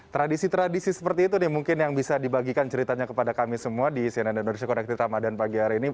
tradisi tradisi seperti itu nih mungkin yang bisa dibagikan ceritanya kepada kami semua di cnn indonesia connected ramadan pagi hari ini